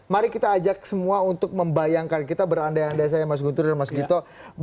mari kita ajak semua untuk membayangkan kita berandai andai saya mas guntur dan mas gito